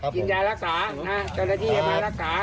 กินยารักษานะจริงมารักษา